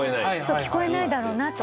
聞こえないだろうなと思って。